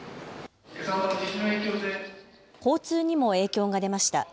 交通にも影響が出ました。